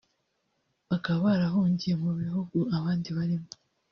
bakaba barahungiye mu bihugu abandi barimo